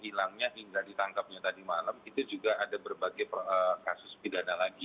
jadi kalau saya lihat kasus ini tidak ditangkapnya tadi malam itu juga ada berbagai kasus pidana lagi